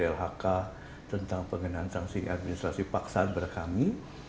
lhk tentang pengenaan sanksi administrasi paksaan berkami